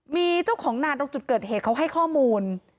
มีเจ้าของนานตรงจุดเกิดเหตุเขาให้ข้อมูล